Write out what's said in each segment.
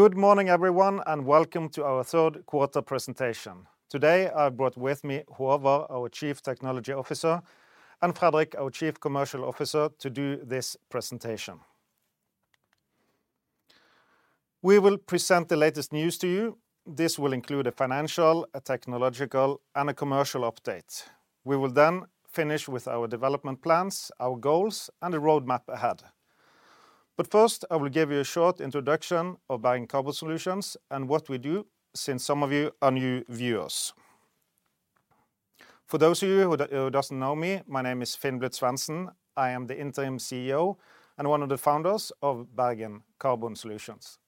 Good morning, everyone, and welcome to our third quarter presentation. Today, I've brought with me Håvard, our Chief Technology Officer, and Fredrik, our Chief Commercial Officer, to do this presentation. We will present the latest news to you. This will include a financial, a technological, and a commercial update. We will then finish with our development plans, our goals, and the roadmap ahead. First, I will give you a short introduction of Bergen Carbon Solutions and what we do since some of you are new viewers. For those of you who doesn't know me, my name is Finn Blydt-Svendsen. I am the Interim CEO and one of the founders of Bergen Carbon Solutions.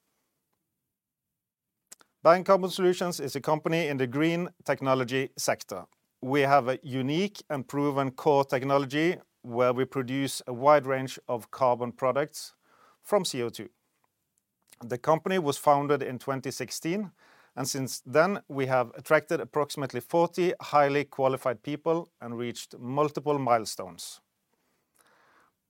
Bergen Carbon Solutions is a company in the green technology sector. We have a unique and proven core technology where we produce a wide range of carbon products from CO2. The company was founded in 2016, and since then, we have attracted approximately 40 highly qualified people and reached multiple milestones.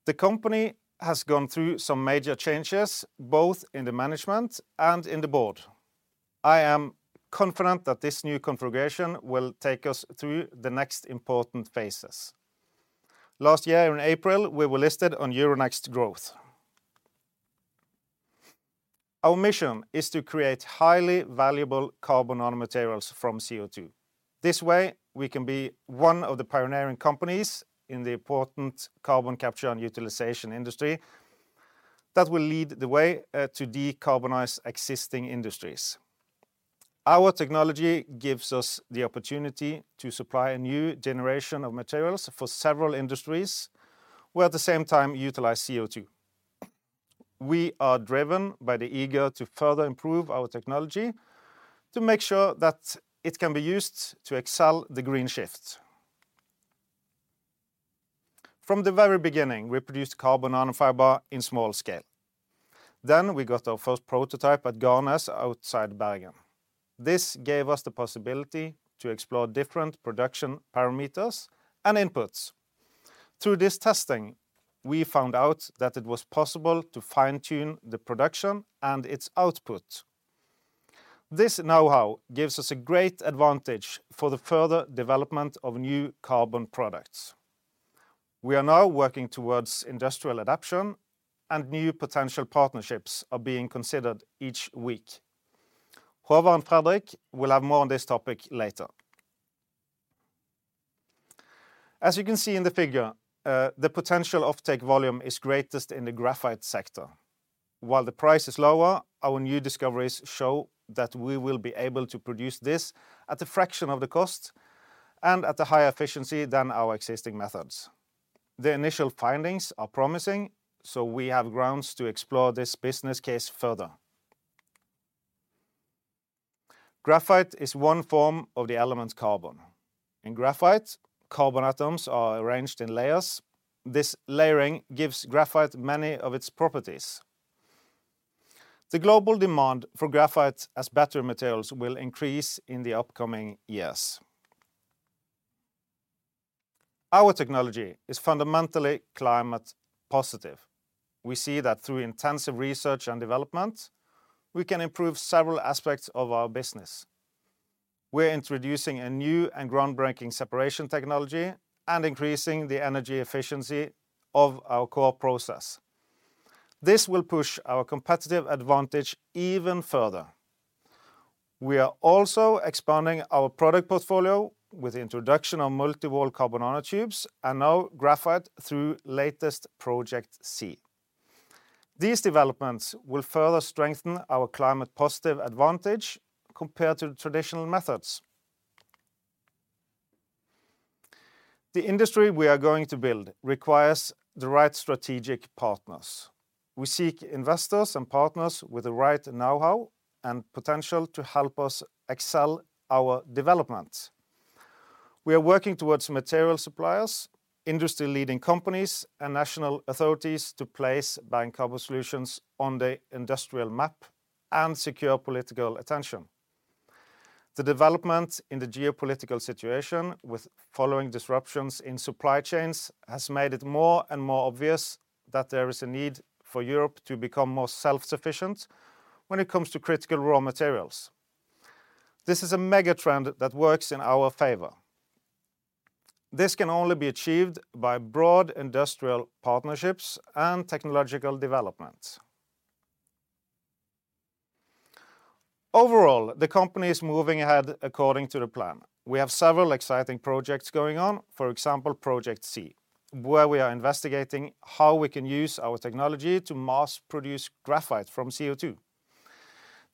The company has gone through some major changes, both in the management and in the board. I am confident that this new configuration will take us through the next important phases. Last year in April, we were listed on Euronext Growth. Our mission is to create highly valuable carbon nanomaterials from CO2. This way, we can be one of the pioneering companies in the important carbon capture and utilization industry that will lead the way to decarbonize existing industries. Our technology gives us the opportunity to supply a new generation of materials for several industries, while at the same time utilize CO2. We are driven by the eagerness to further improve our technology to make sure that it can be used to accelerate the green shift. From the very beginning, we produced carbon nanofiber in small scale. We got our first prototype at Garnes outside Bergen. This gave us the possibility to explore different production parameters and inputs. Through this testing, we found out that it was possible to fine-tune the production and its output. This know-how gives us a great advantage for the further development of new carbon products. We are now working towards industrial adoption, and new potential partnerships are being considered each week. Håvard and Fredrik will have more on this topic later. As you can see in the figure, the potential offtake volume is greatest in the graphite sector. While the price is lower, our new discoveries show that we will be able to produce this at a fraction of the cost and at a higher efficiency than our existing methods. The initial findings are promising, so we have grounds to explore this business case further. Graphite is one form of the element carbon. In graphite, carbon atoms are arranged in layers. This layering gives graphite many of its properties. The global demand for graphite as battery materials will increase in the upcoming years. Our technology is fundamentally climate positive. We see that through intensive research and development, we can improve several aspects of our business. We're introducing a new and groundbreaking separation technology and increasing the energy efficiency of our core process. This will push our competitive advantage even further. We are also expanding our product portfolio with introduction of multi-wall carbon nanotubes and now graphite through latest Project C. These developments will further strengthen our climate positive advantage compared to traditional methods. The industry we are going to build requires the right strategic partners. We seek investors and partners with the right know-how and potential to help us accelerate our development. We are working towards material suppliers, industry leading companies, and national authorities to place Bergen Carbon Solutions on the industrial map and secure political attention. The development in the geopolitical situation with following disruptions in supply chains has made it more and more obvious that there is a need for Europe to become more self-sufficient when it comes to critical raw materials. This is a mega trend that works in our favor. This can only be achieved by broad industrial partnerships and technological developments. Overall, the company is moving ahead according to the plan. We have several exciting projects going on. For example, Project C, where we are investigating how we can use our technology to mass produce graphite from CO2.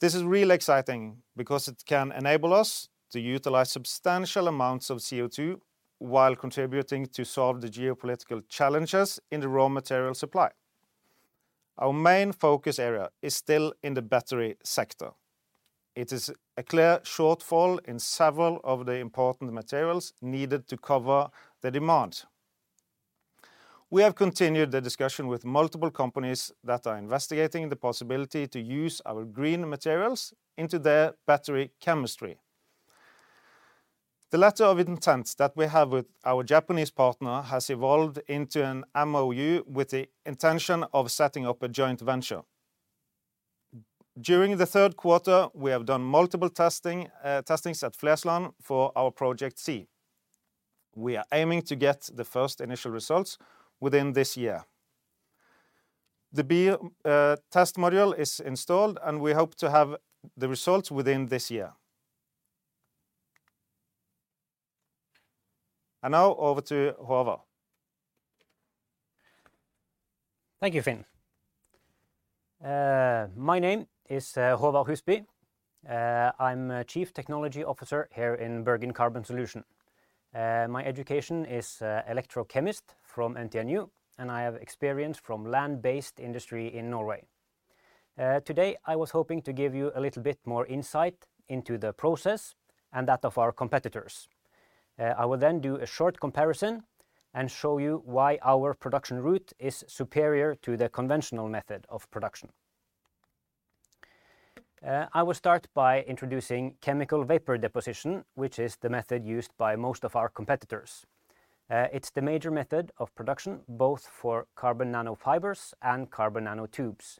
This is really exciting because it can enable us to utilize substantial amounts of CO2 while contributing to solve the geopolitical challenges in the raw material supply. Our main focus area is still in the battery sector. It is a clear shortfall in several of the important materials needed to cover the demand. We have continued the discussion with multiple companies that are investigating the possibility to use our green materials into their battery chemistry. The letter of intent that we have with our Japanese partner has evolved into an MOU with the intention of setting up a joint venture. During the third quarter, we have done multiple tests at Flesland for our Project C. We are aiming to get the first initial results within this year. The B test module is installed, and we hope to have the results within this year. Now over to Håvard. Thank you, Finn. My name is Håvard Husby. I'm a Chief Technology Officer here in Bergen Carbon Solutions. My education is an electrochemist from NTNU, and I have experience from land-based industry in Norway. Today I was hoping to give you a little bit more insight into the process and that of our competitors. I will then do a short comparison and show you why our production route is superior to the conventional method of production. I will start by introducing chemical vapor deposition, which is the method used by most of our competitors. It's the major method of production, both for carbon nanofibers and carbon nanotubes.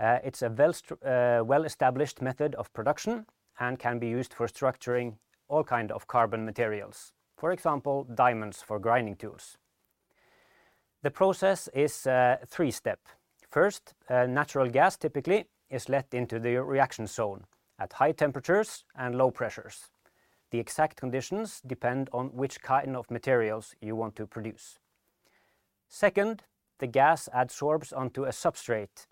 It's a well-established method of production and can be used for structuring all kind of carbon materials. For example, diamonds for grinding tools. The process is three step. First, natural gas typically is let into the reaction zone at high temperatures and low pressures. The exact conditions depend on which kind of materials you want to produce. Second, the gas absorbs onto a substrate.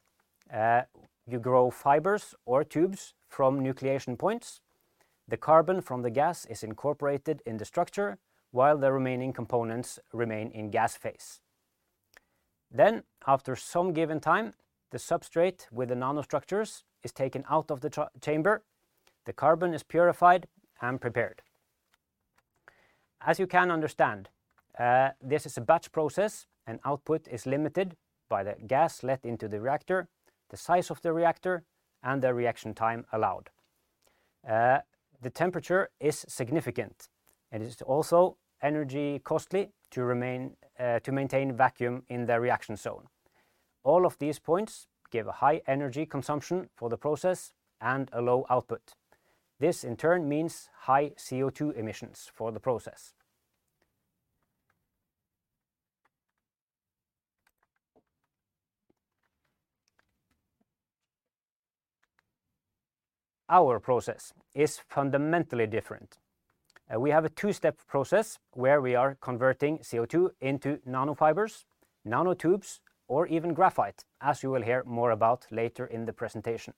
You grow fibers or tubes from nucleation points. The carbon from the gas is incorporated in the structure while the remaining components remain in gas phase. After some given time, the substrate with the nanostructures is taken out of the chamber, the carbon is purified and prepared. As you can understand, this is a batch process, and output is limited by the gas let into the reactor, the size of the reactor, and the reaction time allowed. The temperature is significant, and it is also energy costly to maintain vacuum in the reaction zone. All of these points give a high energy consumption for the process and a low output. This in turn means high CO2 emissions for the process. Our process is fundamentally different. We have a two-step process where we are converting CO2 into nanofibers, nanotubes, or even graphite, as you will hear more about later in the presentation.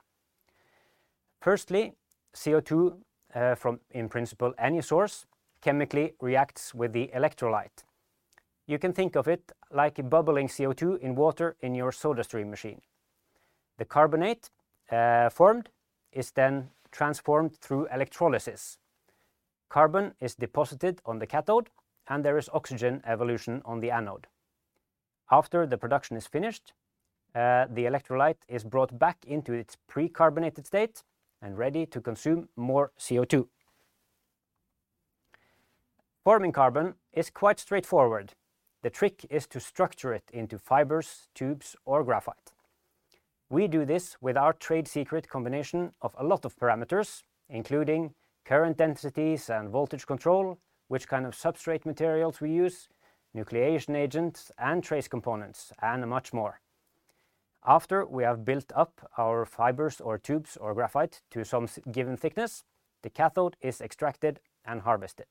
Firstly, CO2 from, in principle, any source, chemically reacts with the electrolyte. You can think of it like bubbling CO2 in water in your SodaStream machine. The carbonate formed is then transformed through electrolysis. Carbon is deposited on the cathode, and there is oxygen evolution on the anode. After the production is finished, the electrolyte is brought back into its pre-carbonated state and ready to consume more CO2. Forming carbon is quite straightforward. The trick is to structure it into fibers, tubes, or graphite. We do this with our trade secret combination of a lot of parameters, including current densities and voltage control, which kind of substrate materials we use, nucleation agents, and trace components, and much more. After we have built up our fibers or tubes or graphite to some given thickness, the cathode is extracted and harvested.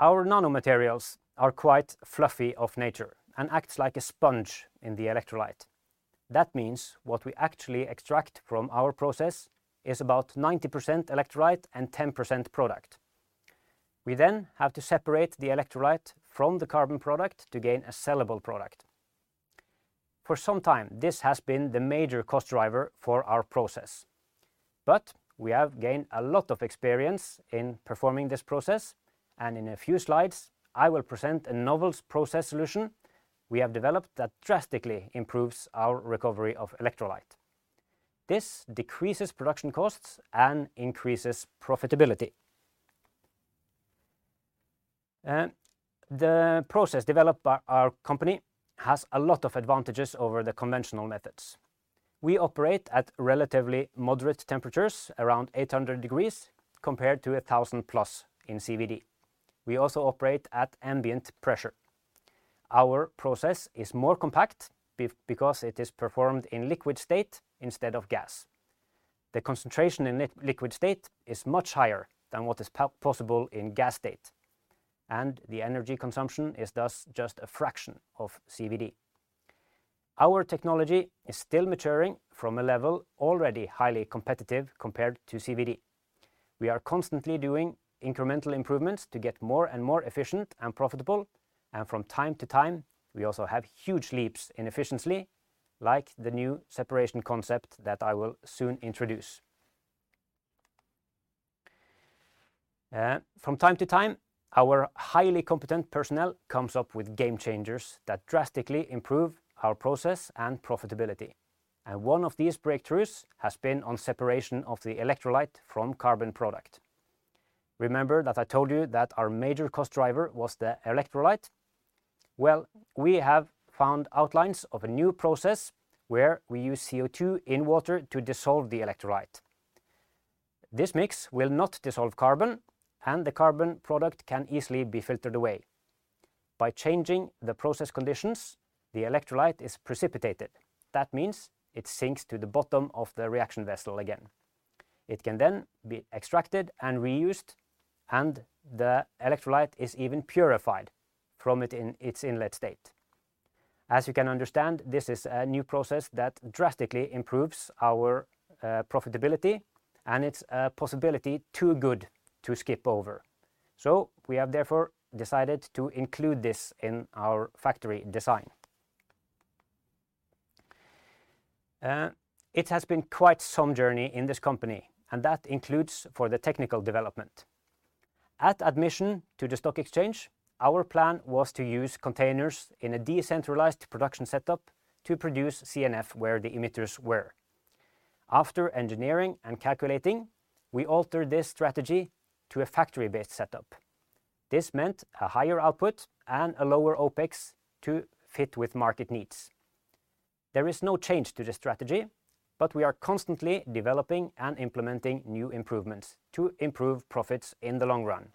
Our nanomaterials are quite fluffy of nature and acts like a sponge in the electrolyte. That means what we actually extract from our process is about 90% electrolyte and 10% product. We then have to separate the electrolyte from the carbon product to gain a sellable product. For some time, this has been the major cost driver for our process, but we have gained a lot of experience in performing this process, and in a few slides, I will present a novel process solution we have developed that drastically improves our recovery of electrolyte. This decreases production costs and increases profitability. The process developed by our company has a lot of advantages over the conventional methods. We operate at relatively moderate temperatures, around 800 degrees, compared to 1,000+ in CVD. We also operate at ambient pressure. Our process is more compact because it is performed in liquid state instead of gas. The concentration in liquid state is much higher than what is possible in gas state, and the energy consumption is thus just a fraction of CVD. Our technology is still maturing from a level already highly competitive compared to CVD. We are constantly doing incremental improvements to get more and more efficient and profitable, and from time to time, we also have huge leaps in efficiency, like the new separation concept that I will soon introduce. From time to time, our highly competent personnel comes up with game changers that drastically improve our process and profitability. One of these breakthroughs has been on separation of the electrolyte from carbon product. Remember that I told you that our major cost driver was the electrolyte? Well, we have found outlines of a new process where we use CO2 in water to dissolve the electrolyte. This mix will not dissolve carbon, and the carbon product can easily be filtered away. By changing the process conditions, the electrolyte is precipitated. That means it sinks to the bottom of the reaction vessel again. It can then be extracted and reused, and the electrolyte is even purified from it in its inlet state. As you can understand, this is a new process that drastically improves our profitability and it's a possibility too good to skip over. We have therefore decided to include this in our factory design. It has been quite some journey in this company, and that includes for the technical development. At admission to the stock exchange, our plan was to use containers in a decentralized production setup to produce CNF where the emitters were. After engineering and calculating, we altered this strategy to a factory-based setup. This meant a higher output and a lower OpEx to fit with market needs. There is no change to the strategy, but we are constantly developing and implementing new improvements to improve profits in the long run.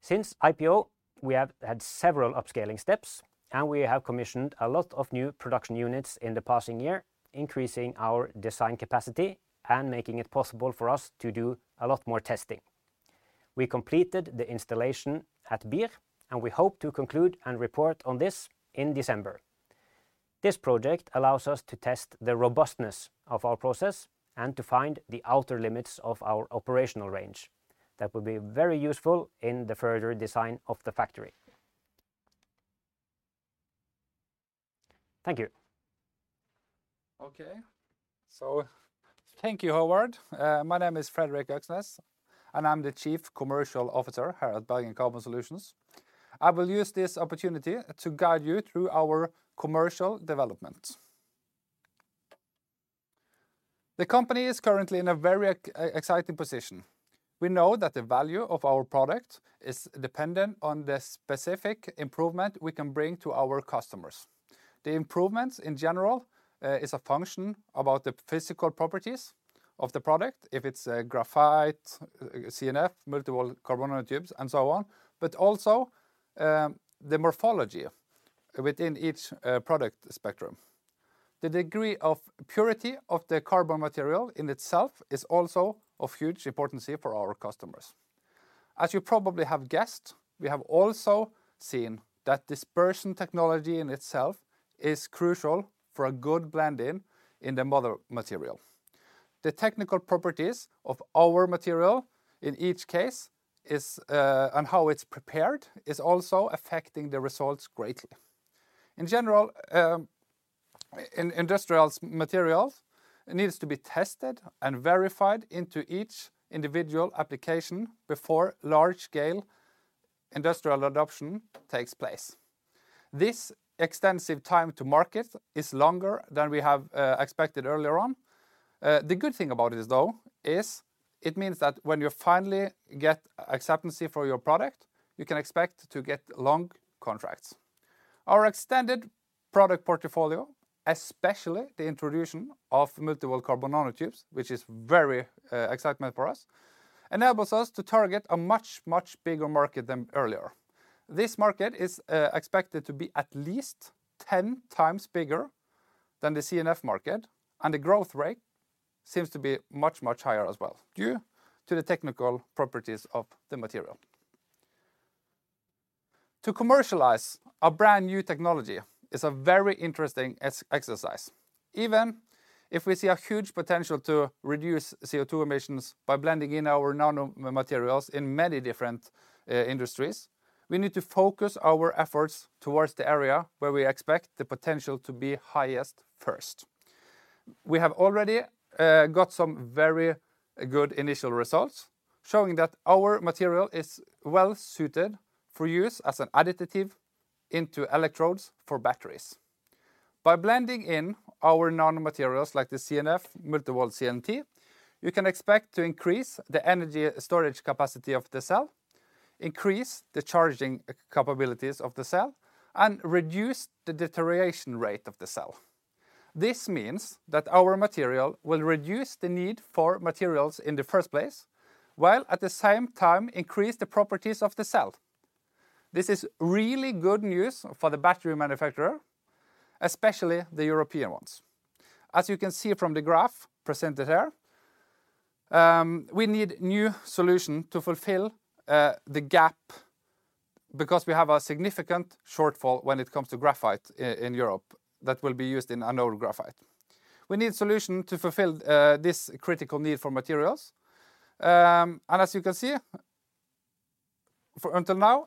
Since IPO, we have had several upscaling steps, and we have commissioned a lot of new production units in the past year, increasing our design capacity and making it possible for us to do a lot more testing. We completed the installation at BIR AS, and we hope to conclude and report on this in December. This project allows us to test the robustness of our process and to find the outer limits of our operational range. That will be very useful in the further design of the factory. Thank you. Okay. Thank you, Håvard. My name is Fredrik Øksnes, and I'm the Chief Commercial Officer here at Bergen Carbon Solutions. I will use this opportunity to guide you through our commercial development. The company is currently in a very exciting position. We know that the value of our product is dependent on the specific improvement we can bring to our customers. The improvements, in general, is a function about the physical properties of the product, if it's a graphite, CNF, multi-walled carbon nanotubes, and so on, but also, the morphology within each, product spectrum. The degree of purity of the carbon material in itself is also of huge importance for our customers. As you probably have guessed, we have also seen that dispersion technology in itself is crucial for a good blend in the mother material. The technical properties of our material in each case is, and how it's prepared, is also affecting the results greatly. In general, in industrial materials, it needs to be tested and verified into each individual application before large-scale industrial adoption takes place. This extensive time to market is longer than we have expected earlier on. The good thing about it is, though, is it means that when you finally get acceptance for your product, you can expect to get long contracts. Our extended product portfolio, especially the introduction of multi-walled carbon nanotubes, which is very exciting for us, enables us to target a much, much bigger market than earlier. This market is expected to be at least 10 times bigger than the CNF market, and the growth rate seems to be much, much higher as well due to the technical properties of the material. To commercialize a brand-new technology is a very interesting exercise. Even if we see a huge potential to reduce CO2 emissions by blending in our nanomaterials in many different industries, we need to focus our efforts towards the area where we expect the potential to be highest first. We have already got some very good initial results showing that our material is well suited for use as an additive into electrodes for batteries. By blending in our nanomaterials like the CNF, multi-walled CNT, you can expect to increase the energy storage capacity of the cell, increase the charging capabilities of the cell, and reduce the deterioration rate of the cell. This means that our material will reduce the need for materials in the first place, while at the same time increase the properties of the cell. This is really good news for the battery manufacturer, especially the European ones. As you can see from the graph presented here, we need new solution to fulfill the gap because we have a significant shortfall when it comes to graphite in Europe that will be used in anode graphite. We need solution to fulfill this critical need for materials. As you can see, up until now,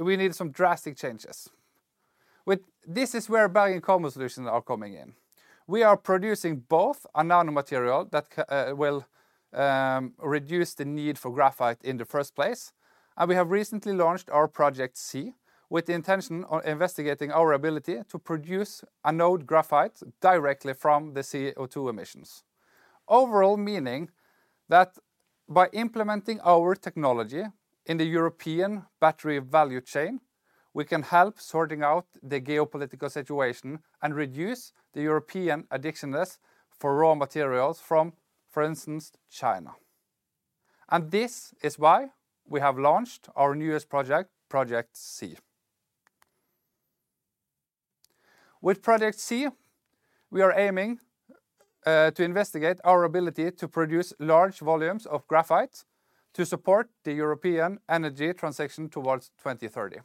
we need some drastic changes. This is where Bergen Carbon Solutions are coming in. We are producing both a nanomaterial that will reduce the need for graphite in the first place, and we have recently launched our Project C with the intention on investigating our ability to produce anode graphite directly from the CO2 emissions. Overall meaning that by implementing our technology in the European battery value chain, we can help sorting out the geopolitical situation and reduce the European addiction to raw materials from, for instance, China. This is why we have launched our newest project, Project C. With Project C, we are aiming to investigate our ability to produce large volumes of graphite to support the European energy transition toward 2030.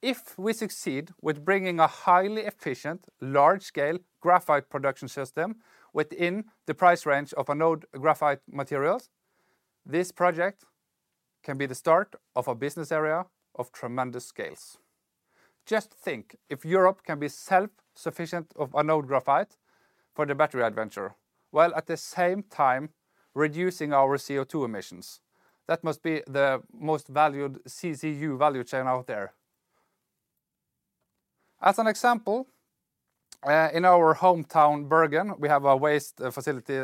If we succeed with bringing a highly efficient, large-scale graphite production system within the price range of anode graphite materials, this project can be the start of a business area of tremendous scale. Just think if Europe can be self-sufficient in anode graphite for the battery industry, while at the same time reducing our CO2 emissions. That must be the most valued CCU value chain out there. As an example, in our hometown Bergen, we have a waste facility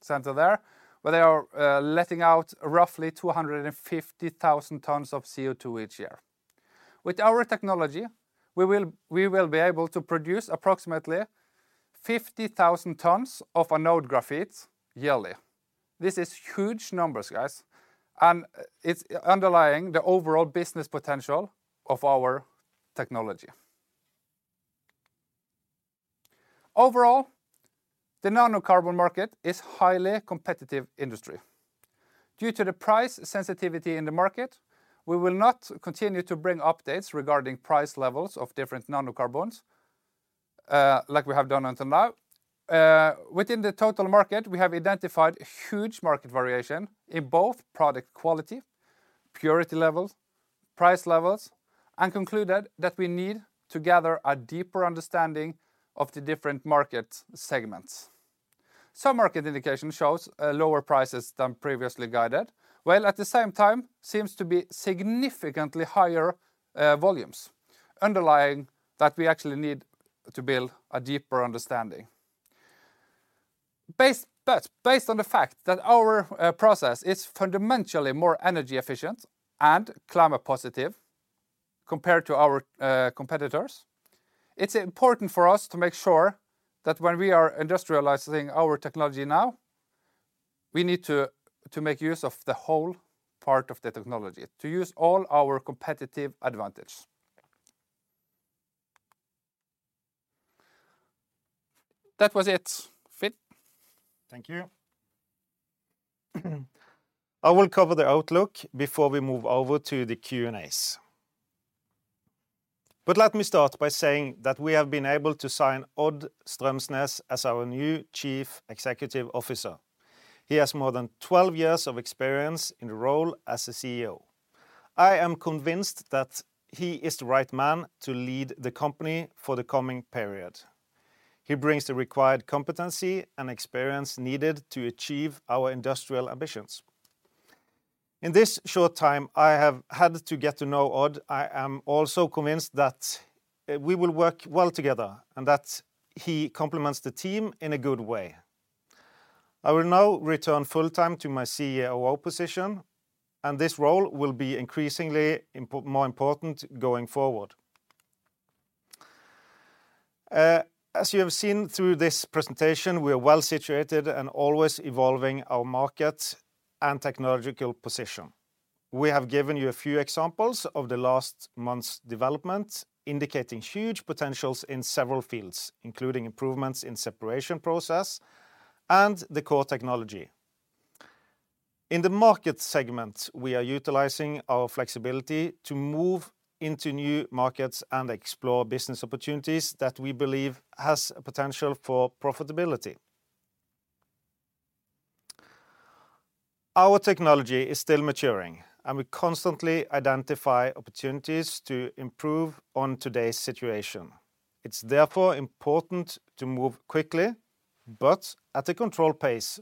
center there, where they are letting out roughly 250,000 tons of CO2 each year. With our technology, we will be able to produce approximately 50,000 tons of anode graphite yearly. This is huge numbers, guys, and it's underlying the overall business potential of our technology. Overall, the nanocarbon market is highly competitive industry. Due to the price sensitivity in the market, we will not continue to bring updates regarding price levels of different nanocarbons, like we have done until now. Within the total market, we have identified huge market variation in both product quality, purity levels, price levels, and concluded that we need to gather a deeper understanding of the different market segments. Some market indication shows lower prices than previously guided, while at the same time seems to be significantly higher volumes, underlying that we actually need to build a deeper understanding. Based on the fact that our process is fundamentally more energy efficient and climate positive compared to our competitors, it's important for us to make sure that when we are industrializing our technology now, we need to make use of the whole part of the technology, to use all our competitive advantage. That was it. Finn. Thank you. I will cover the outlook before we move over to the Q&As. Let me start by saying that we have been able to sign Odd Strømsnes as our new Chief Executive Officer. He has more than 12 years of experience in the role as a CEO. I am convinced that he is the right man to lead the company for the coming period. He brings the required competency and experience needed to achieve our industrial ambitions. In this short time, I have had to get to know Odd. I am also convinced that we will work well together and that he complements the team in a good way. I will now return full-time to my CEO position, and this role will be increasingly more important going forward. As you have seen through this presentation, we are well-situated and always evolving our market and technological position. We have given you a few examples of the last month's development, indicating huge potentials in several fields, including improvements in separation process and the core technology. In the market segment, we are utilizing our flexibility to move into new markets and explore business opportunities that we believe has a potential for profitability. Our technology is still maturing, and we constantly identify opportunities to improve on today's situation. It's therefore important to move quickly but at a controlled pace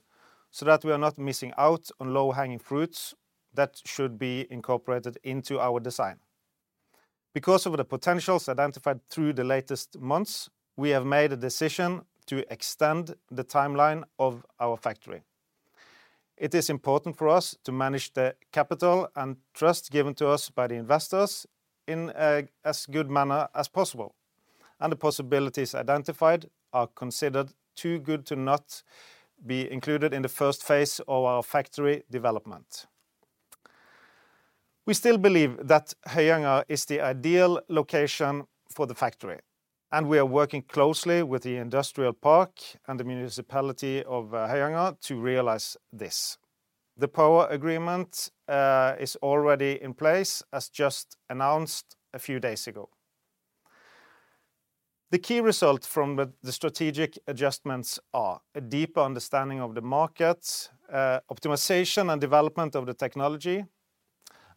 so that we are not missing out on low-hanging fruits that should be incorporated into our design. Because of the potentials identified through the latest months, we have made a decision to extend the timeline of our factory. It is important for us to manage the capital and trust given to us by the investors in as good manner as possible, and the possibilities identified are considered too good to not be included in the first phase of our factory development. We still believe that Høyanger is the ideal location for the factory, and we are working closely with the industrial park and the municipality of Høyanger to realize this. The power agreement is already in place, as just announced a few days ago. The key results from the strategic adjustments are a deeper understanding of the markets, optimization and development of the technology.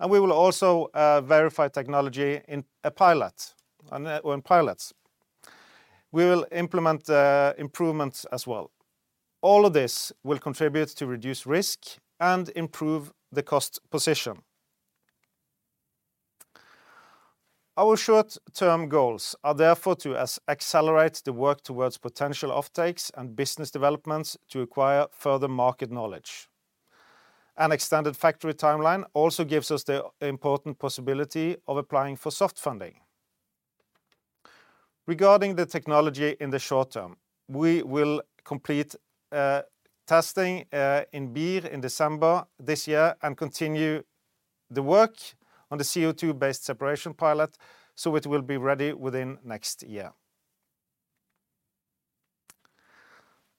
We will also verify technology in a pilot and or in pilots. We will implement improvements as well. All of this will contribute to reduce risk and improve the cost position. Our short-term goals are therefore to accelerate the work towards potential offtakes and business developments to acquire further market knowledge. An extended factory timeline also gives us the important possibility of applying for soft funding. Regarding the technology in the short term, we will complete testing in BIR in December this year and continue the work on the CO2-based separation pilot, so it will be ready within next year.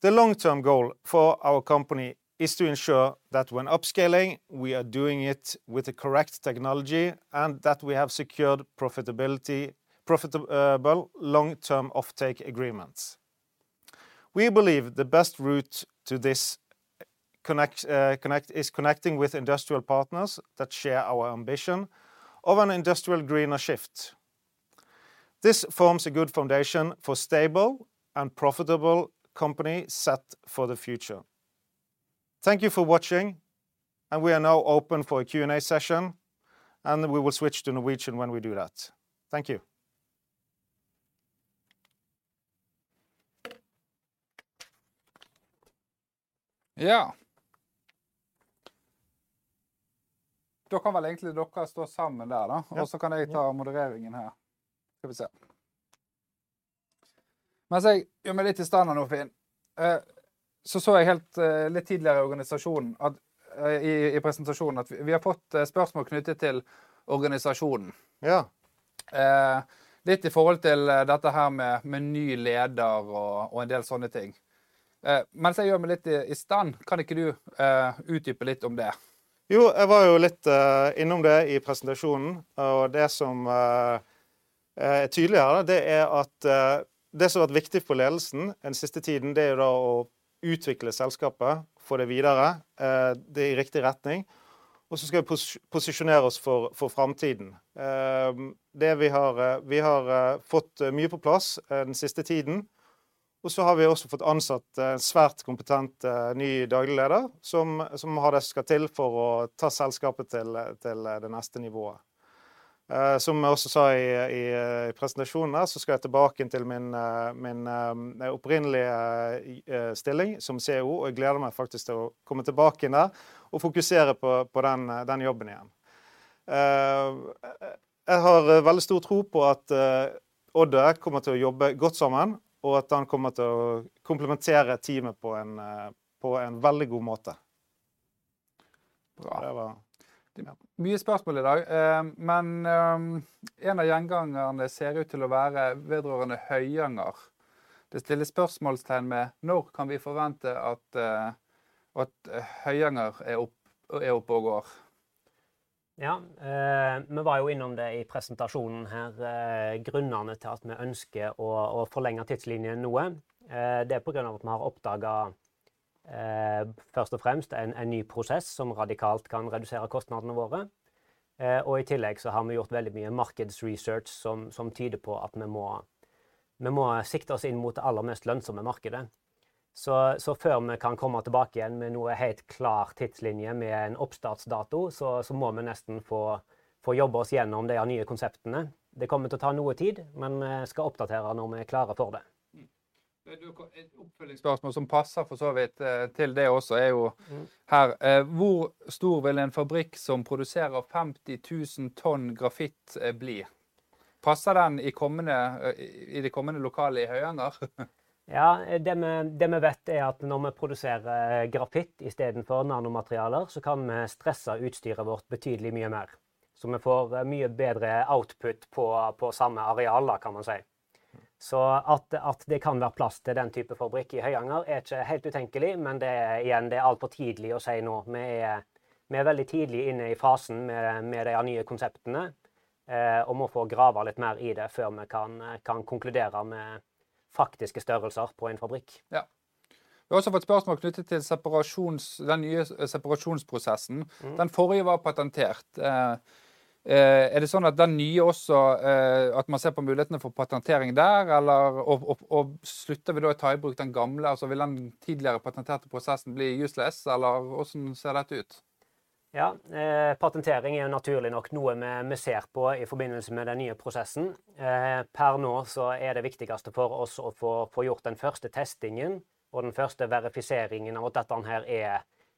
The long-term goal for our company is to ensure that when upscaling, we are doing it with the correct technology and that we have secured profitable long-term offtake agreements. We believe the best route to this connect is connecting with industrial partners that share our ambition of an industrial greener shift. This forms a good foundation for stable and profitable company set for the future. Thank you for watching and we are now open for a Q&A session and we will switch to Norwegian when we do that. Thank you. Ja. Da kan vel egentlig dere stå sammen der da, og så kan jeg ta modereringen her. Skal vi se. Mens jeg gjør meg litt i stand da nå Finn, så jeg helt, litt tidligere i organisasjonen at, i presentasjonen at vi har fått spørsmål knyttet til organisasjonen. Ja. Litt i forhold til dette her med ny leder og en del sånne ting. Mens jeg gjør meg litt i stand, kan ikke du utdype litt om det? Jo, jeg var jo litt innom det i presentasjonen og det som er tydelig her da. Det er at det som har vært viktig for ledelsen den siste tiden, det er jo da å utvikle selskapet, få det videre, det i riktig retning. Så skal vi posisjonere oss for framtiden. Det vi har, vi har fått mye på plass, den siste tiden, og så har vi også fått ansatt en svært kompetent ny daglig leder som har det som skal til for å ta selskapet til det neste nivået. Som jeg også sa i presentasjonen her så skal jeg tilbake igjen til min opprinnelige stilling som CEO. Jeg gleder meg faktisk til å komme tilbake igjen der og fokusere på den jobben igjen. Jeg har veldig stor tro på at Odda kommer til å jobbe godt sammen, og at han kommer til å komplementere teamet på en veldig god måte. Bra. Det var Mye spørsmål i dag. En av gjengangerne ser jo ut til å være vedrørende Høyanger. Det stilles spørsmålstegn ved når kan vi forvente at Høyanger er oppe og går? Ja, vi var jo innom det i presentasjonen her. Grunnene til at vi ønsker å forlenge tidslinjen noe. Det er på grunn av at vi har oppdaget først og fremst en ny prosess som radikalt kan redusere kostnadene våre. Og i tillegg så har vi gjort veldig mye markedsresearch som tyder på at vi må sikte oss inn mot det aller mest lønnsomme markedet. Så før vi kan komme tilbake igjen med noen helt klar tidslinje med en oppstartsdato, så må vi nesten få jobbet oss gjennom de nye konseptene. Det kommer til å ta noe tid, men vi skal oppdatere når vi er klare for det. Et oppfølgingsspørsmål som passer for så vidt til det også er jo her. Hvor stor vil en fabrikk som produserer 50,000 tonn grafitt bli? Passer den i de kommende lokalene i Høyanger? Ja, det vi vet er at når vi produserer grafitt istedenfor nanomaterialer, så kan vi stresse utstyret vårt betydelig mye mer. Vi får mye bedre output på samme arealer kan man si. At det kan være plass til den type fabrikk i Høyanger er ikke helt utenkelig, men det er altfor tidlig å si nå. Vi er veldig tidlig inne i fasen med de nye konseptene, og må få grave litt mer i det før vi kan konkludere med faktiske størrelser på en fabrikk. Ja, vi har også fått spørsmål knyttet til separasjon, den nye separasjonsprosessen. Mm. Den forrige var patentert. Er det sånn at den nye også, at man ser på mulighetene for patentering der, eller slutter vi da å ta i bruk den gamle? Altså vil den tidligere patenterte prosessen bli useless, eller hvordan ser dette ut? Ja, patentering er jo naturlig nok noe vi ser på i forbindelse med den nye prosessen. Per nå så er det viktigste for oss å få gjort den første testingen og den første verifiseringen og at dette her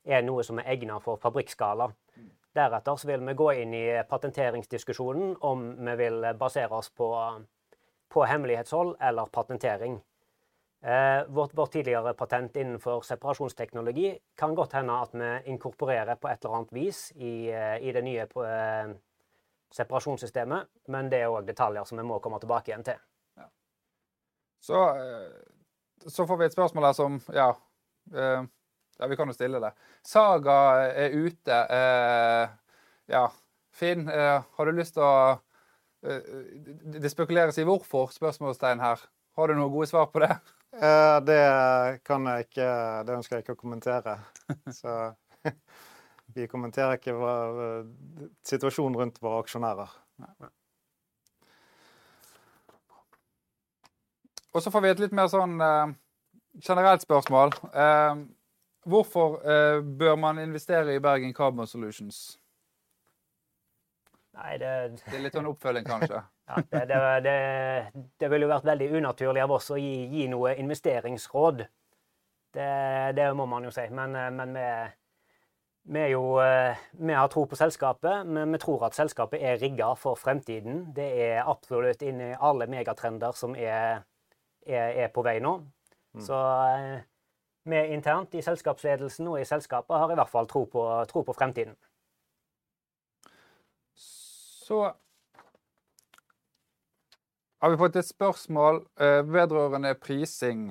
er noe som er egnet for fabrikkskala. Mm. Deretter vil vi gå inn i patenteringsdiskusjonen om vi vil basere oss på hemmelighetshold eller patentering. Vårt tidligere patent innenfor separasjonsteknologi kan godt hende at vi inkorporerer på et eller annet vis i det nye separasjonssystemet. Men det er også detaljer som vi må komme tilbake igjen til. Ja. Får vi et spørsmål som vi kan jo stille det. Saga er ute. Finn, det spekuleres i hvorfor spørsmålstegn her. Har du noen gode svar på det? Det kan jeg ikke. Det ønsker jeg ikke å kommentere. Vi kommenterer ikke vår situasjon rundt våre aksjonærer. Nei, nei. Får vi et litt mer sånn generelt spørsmål, hvorfor bør man investere i Bergen Carbon Solutions? Nei, det. Det er litt sånn oppfølging kanskje. Ja, det vil jo vært veldig unaturlig av oss å gi noen investeringsråd. Det må man jo si. Men, vi er jo, vi har tro på selskapet, vi tror at selskapet er rigget for fremtiden. Det er absolutt inne i alle megatrender som er på vei nå. Mm. Vi internt i selskapsledelsen og i selskapet har i hvert fall tro på fremtiden. Har vi fått et spørsmål vedrørende prising.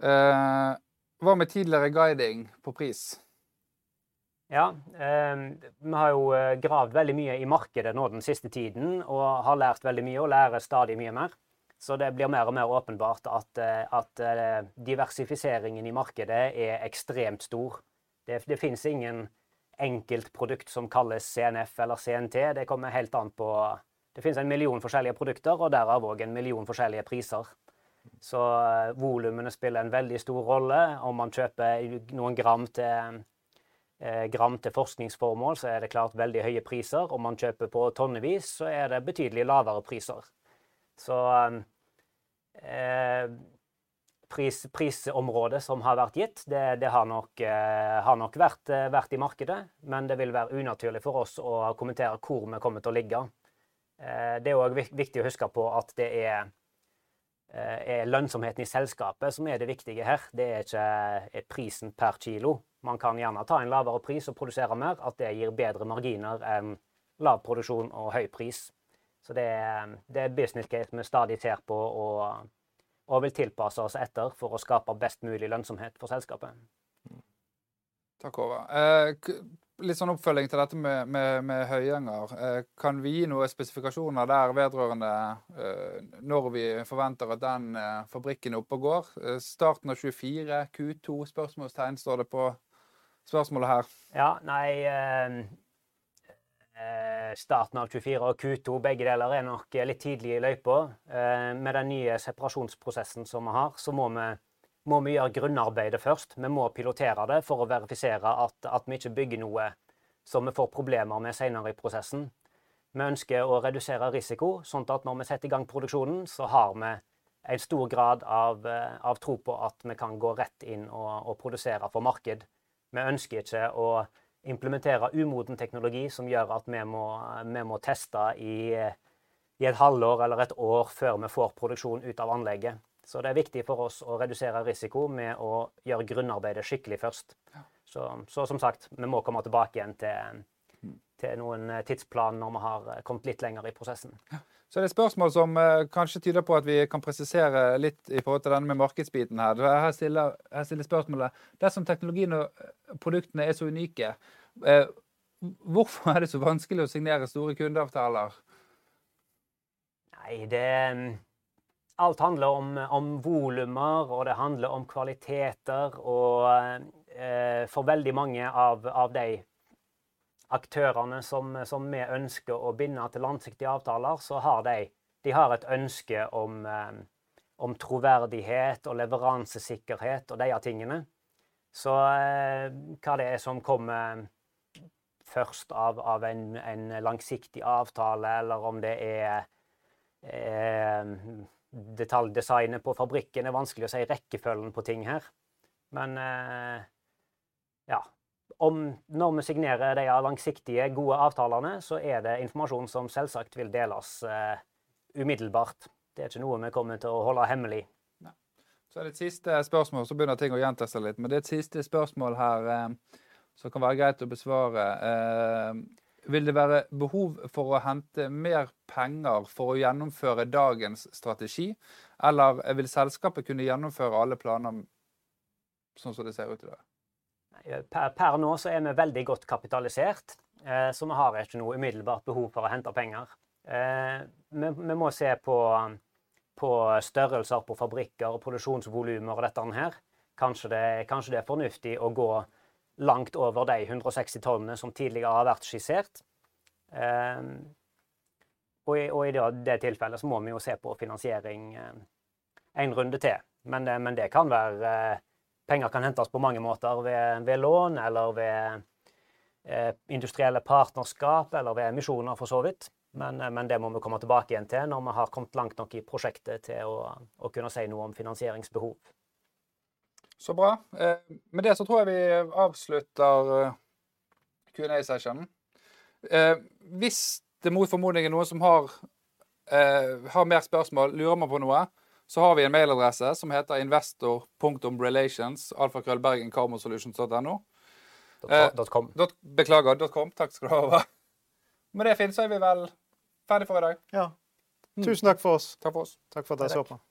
Hva med tidligere guiding på pris? Vi har jo gravd veldig mye i markedet nå den siste tiden, og har lært veldig mye og lærer stadig mye mer. Det blir mer og mer åpenbart at diversifiseringen i markedet er ekstremt stor. Det finnes ingen enkelt produkt som kalles CNF eller CNT. Det kommer helt an på. Det finnes en million forskjellige produkter, og derav også en million forskjellige priser, så volumene spiller en veldig stor rolle. Om man kjøper noen gram til forskningsformål, så er det klart veldig høye priser. Om man kjøper på tonnevis så er det betydelig lavere priser. Prisområde som har vært gitt det har nok vært i markedet. Men det vil være unaturlig for oss å kommentere hvor vi kommer til å ligge. Det er også viktig å huske på at det er lønnsomheten i selskapet som er det viktige her. Det er ikke prisen per kilo. Man kan gjerne ta en lavere pris og produsere mer at det gir bedre marginer enn lav produksjon og høy pris. Det er business case vi stadig ser på og vil tilpasse oss etter for å skape best mulig lønnsomhet for selskapet. Takk, Håvard. Litt sånn oppfølging til dette med Høyanger. Kan vi gi noen spesifikasjoner der vedrørende når vi forventer at den fabrikken er oppe og går? Starten av 2024, Q2 spørsmålstegn står det på spørsmålet her. Ja, nei. Starten av 2024 og Q2 begge deler er nok litt tidlig i løypa. Med den nye separasjonsprosessen som vi har, så må vi gjøre grunnarbeidet først. Vi må pilotere det for å verifisere at vi ikke bygger noe som vi får problemer med senere i prosessen. Vi ønsker å redusere risiko sånn at når vi setter i gang produksjonen så har vi en stor grad av tro på at vi kan gå rett inn og produsere for marked. Vi ønsker ikke å implementere umoden teknologi som gjør at vi må teste i et halvår eller ett år før vi får produksjon ut av anlegget. Det er viktig for oss å redusere risiko med å gjøre grunnarbeidet skikkelig først. Ja. Som sagt, vi må komme tilbake igjen til noen tidsplan når vi har kommet litt lenger i prosessen. Ja. Er det et spørsmål som kanskje tyder på at vi kan presisere litt i forhold til denne med markedsbiten her. Her stiller spørsmålet dersom teknologien og produktene er så unike, hvorfor er det så vanskelig å signere store kundeavtaler? Nei, alt handler om volumer, og det handler om kvaliteter og for veldig mange av de aktørene som vi ønsker å binde til langsiktige avtaler, så har de et ønske om troverdighet og leveransesikkerhet og de tingene. Hva det er som kommer først av en langsiktig avtale, eller om det er detaljdesignet på fabrikken, er vanskelig å si rekkefølgen på ting her. Ja, når vi signerer de langsiktige, gode avtalene, så er det informasjon som selvsagt vil deles umiddelbart. Det er ikke noe vi kommer til å holde hemmelig. Nei. Er det et siste spørsmål, så begynner ting å gjenta seg litt. Det er et siste spørsmål her som kan være greit å besvare. Vil det være behov for å hente mer penger for å gjennomføre dagens strategi, eller vil selskapet kunne gjennomføre alle planene sånn som det ser ut i dag? Nei, per nå så er vi veldig godt kapitalisert, så vi har ikke noe umiddelbart behov for å hente penger. Vi må se på størrelser på fabrikker og produksjonsvolumer og dette her. Kanskje det er fornuftig å gå langt over de 160 tonnene som tidligere har vært skissert. I det tilfellet så må vi jo se på finansiering en runde til. Det kan være. Penger kan hentes på mange måter ved lån eller ved industrielle partnerskap eller ved emisjoner for så vidt. Det må vi komme tilbake igjen til når vi har kommet langt nok i prosjektet til å kunne si noe om finansieringsbehov. Bra. Med det så tror jeg vi avslutter Q&A-session. Hvis det mot formodning er noen som har mer spørsmål, lurer meg på noe, så har vi en mailadresse som heter investor punktum relations alfakrøll Bergen Carbon Solutions dott no. dot com. Beklager, dot com. Takk skal du ha. Med det, Finn, så er vi vel ferdig for i dag. Ja. Tusen takk for oss. Takk for oss. Takk for at dere så på.